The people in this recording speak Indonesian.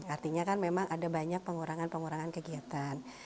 artinya kan memang ada banyak pengurangan pengurangan kegiatan